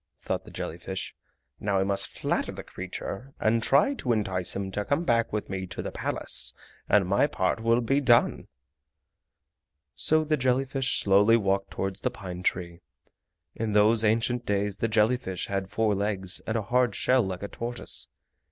thought the jelly fish. "Now I must flatter the creature and try to entice him to come back with me to the Palace, and my part will be done!" So the jelly fish slowly walked towards the pine tree. In those ancient days the jelly fish had four legs and a hard shell like a tortoise.